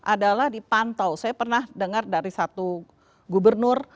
adalah dipantau saya pernah dengar dari satu gubernur